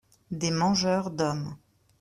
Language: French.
Des mangeurs d’hommes.